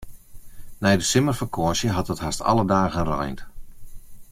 Nei de simmerfakânsje hat it hast alle dagen reind.